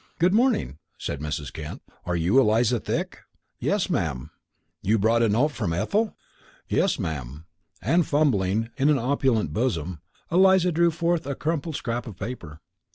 "Good morning," said Mrs. Kent. "You are Eliza Thick?" "Yes, ma'am." "You brought a note from Ethel?" "Yes, ma'am;" and fumbling in an opulent bosom, Eliza drew forth a crumpled scrap of paper.